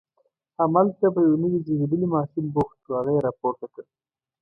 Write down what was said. همالته په یو نوي زیږېدلي ماشوم بوخت و، هغه یې راپورته کړ.